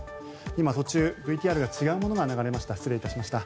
今、途中ＶＴＲが違うものが流れました。